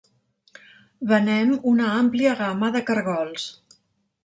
Venem una àmplia gama de cargols.